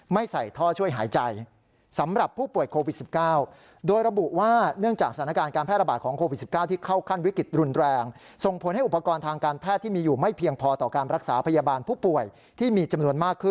ไม่ใส่ท่อช่วยหายใจสำหรับผู้ป่วยโควิด๑๙